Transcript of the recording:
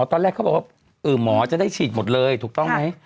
ตอนแรกเขาบอกว่าหมอจะได้ฉีดหมดเลยถูกต้องไหม